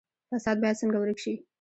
فساد باید څنګه ورک شي؟